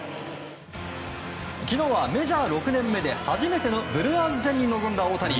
昨日はメジャー６年目で初めてのブルワーズ戦に臨んだ大谷。